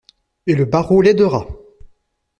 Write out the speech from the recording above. Et le barreau l'aidera!